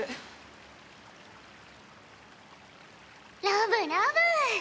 ラブラブ！